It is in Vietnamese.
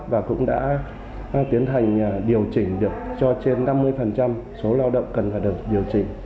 và cũng đã tiến hành điều chỉnh được cho trên năm mươi số lao động cần phải được điều chỉnh